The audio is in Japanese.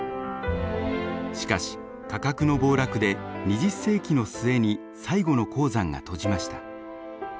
しかし価格の暴落で２０世紀の末に最後の鉱山が閉じました。